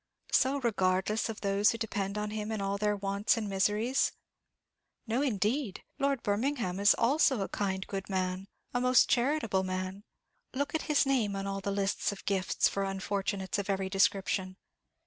so regardless of those who depend on him in all their wants and miseries? No, indeed; Lord Birmingham is also a kind, good man, a most charitable man! Look at his name on all the lists of gifts for unfortunates of every description.